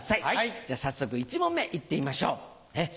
じゃあ早速１問目いってみましょう！